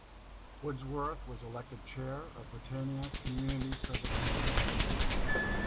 Woodsworth was elected chair of Britannia Community Services Centre.